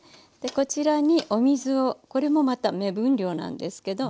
こちらにお水をこれもまた目分量なんですけど。